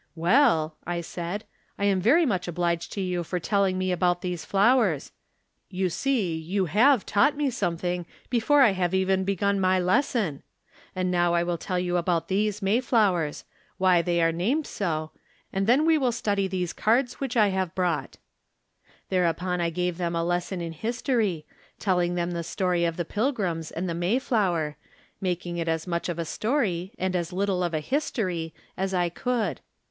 " Well," I said, " I am very much obliged to you for telling me about these flowers. You see 162 From Different Standpoints. you Jiave taught me something before I have even begun my lesson. And now I vs^ill tell you about these Mayflowers — why they are named so — and then we will study these cards which I have brought." Thereupon I gave them a lesson in history, telling them the story of the Pilgrims and the Mayflower, making it as much of a story, and as little of a history, as I could.